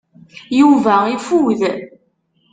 Yuba ifud.